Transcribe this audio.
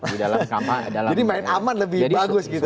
jadi main aman lebih bagus gitu